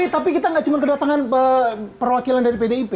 tapi kita gak cuma kedatangan perwakilan dari pdip